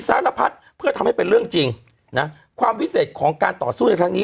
สารพัดเพื่อทำให้เป็นเรื่องจริงนะความพิเศษของการต่อสู้ในครั้งนี้